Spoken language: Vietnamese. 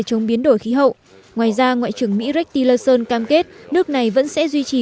chống biến đổi khí hậu ngoài ra ngoại trưởng mỹ reki leson cam kết nước này vẫn sẽ duy trì